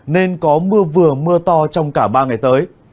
nên có mưa vừa mưa to trong cả ba ngày tới